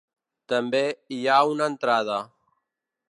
També hi ha una entrada.